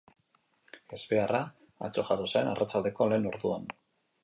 Ezbeharra atzo jazo zen, arratsaldeko lehen orduan.